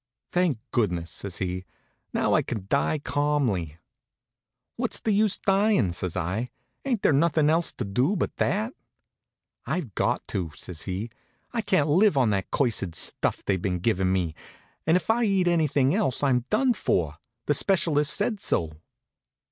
"Thank goodness!" says he. "Now I can die calmly." "What's the use dyin'?" says I. "Ain't there no thin' else left to do but that?" "I've got to," says he. "I can't live on that cursed stuff they've been giving me, and if I eat anything else I'm done for. The specialist said so."